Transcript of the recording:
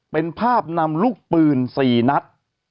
เป็นภาพนำลูกปืน๔นัด